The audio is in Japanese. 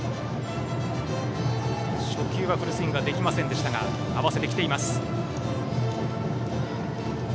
初球はフルスイングできませんでしたが合わせてきています。